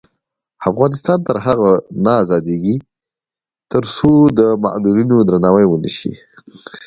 افغانستان تر هغو نه ابادیږي، ترڅو د معلولینو درناوی ونشي.